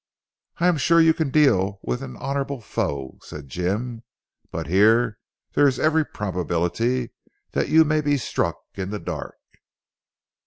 "I am sure you can deal with honourable foes," said Jim, "but here there is every probability you may be struck in the dark."